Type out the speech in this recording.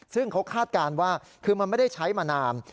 ซึ่งเขาคาดการณ์ว่าคือมันไม่ได้ใช้มานาน